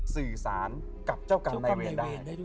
สื่อสารกับเจ้ากรรมในเวรได้